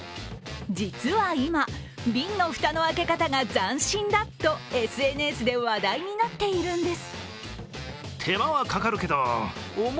実は今、瓶の蓋の開け方が斬新だとＳＮＳで話題になっているんです。